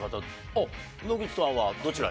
あっ野口さんはどちらに？